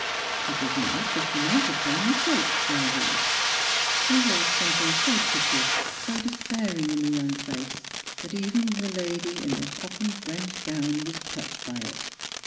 She did not, as she might have done, reproach Genevieve. There was something so piteous, so de spairing in the young face, that even the great lady in the Popham French gown was touched by it.